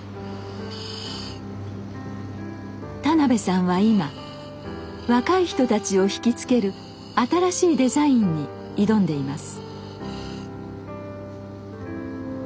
田邉さんは今若い人たちをひきつける新しいデザインに挑んでいます